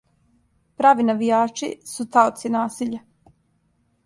Прави навијачи су таоци насиља...